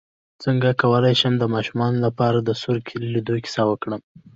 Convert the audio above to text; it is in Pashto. څنګه کولی شم د ماشومانو لپاره د سور لویدو کیسه وکړم